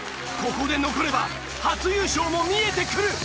ここで残れば初優勝も見えてくる！